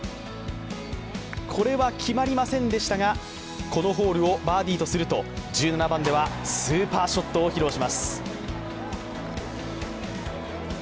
これは決まりませんでしたが、このホールをバーディーとすると１７番ではスーパーショットを披露します。